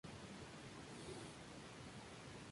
Una calle en la Ciudad de Mónaco lleva su nombre.